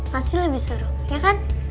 pasti lebih seru ya kan